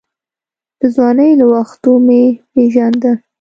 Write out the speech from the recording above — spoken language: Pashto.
د ځوانۍ له وختو مې پېژاند.